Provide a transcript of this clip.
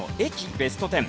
ベスト１０。